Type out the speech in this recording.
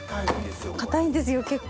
・硬いんですよ結構。